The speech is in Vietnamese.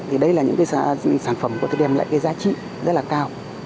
thì đây là những sản phẩm có thể đem lại giá trị rất là cao